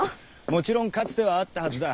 もちろんかつてはあったはずだ。